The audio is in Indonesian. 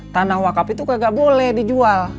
tanah wakaf itu nggak boleh dijual